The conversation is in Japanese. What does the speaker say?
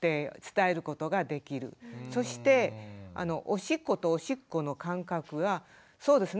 そしておしっことおしっこの間隔がそうですね